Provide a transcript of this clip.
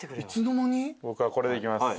僕はこれでいきます。